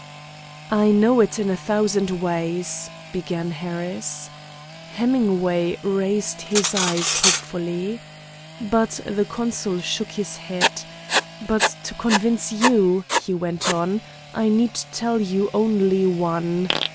"I know it in a thousand ways," began Harris. Hemingway raised his eyes hopefully. But the consul shook his head. "But to convince you," he went on, "I need tell you only one.